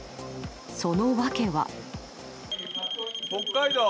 その訳は。